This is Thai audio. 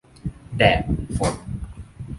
- แดด ฝน